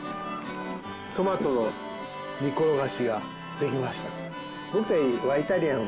トマトの煮ころがしができました。